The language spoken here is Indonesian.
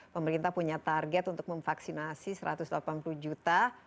pemerintah punya target untuk memvaksinasi satu ratus delapan puluh juta